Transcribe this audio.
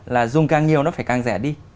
là dùng càng nhiều nó phải càng rẻ đi